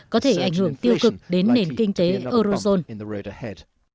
có thể ảnh hưởng tiêu cực đến nền kinh tế eurozone